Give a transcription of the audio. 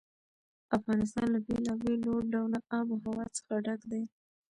افغانستان له بېلابېلو ډوله آب وهوا څخه ډک دی.